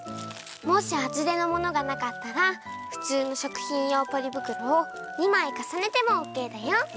もしあつでのものがなかったらふつうのしょくひんようポリぶくろを２まいかさねてもオッケーだよ。